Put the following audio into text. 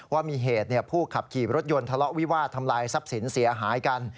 ว่ามีเหตุผู้ขับขี่รถยนต์ทะเลาะวิวาดทำลายทรัพย์สินเสียหายกัน